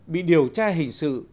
bị điều tra hình sự